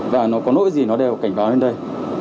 và nó có lỗi gì nó đều cảnh báo lên đây